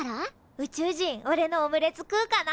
宇宙人おれのオムレツ食うかな？